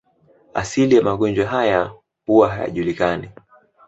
Asili ya magonjwa haya huwa hayajulikani.